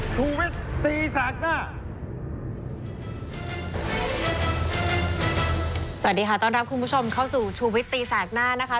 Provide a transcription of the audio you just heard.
สวัสดีค่ะต้อนรับคุณผู้ชมเข้าสู่ชูวิตตีแสกหน้านะคะ